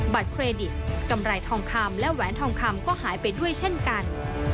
เครดิตกำไรทองคำและแหวนทองคำก็หายไปด้วยเช่นกัน